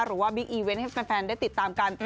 บิ๊กอีเวนต์ให้แฟนได้ติดตามกัน